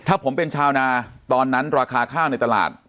ถ้าผมเป็นชาวนาตอนนั้นราคาข้าวในตลาด